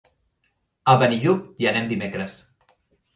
A Benillup hi anem dimecres.